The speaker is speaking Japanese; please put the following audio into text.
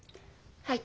はい。